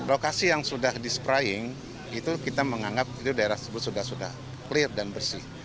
lokasi yang sudah disprying itu kita menganggap itu daerah tersebut sudah sudah clear dan bersih